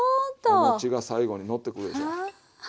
お餅が最後にのってくるでしょ。